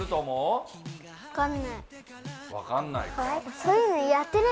分かんないか。